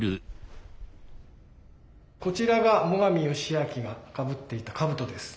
こちらが最上義光がかぶっていた兜です。